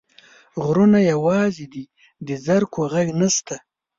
غرونه یوازي دي، د زرکو ږغ نشته